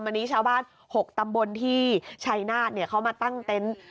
วันนี้ชาวบ้าน๖ตำบลที่ชัยนาธเขามาตั้งเต็นต์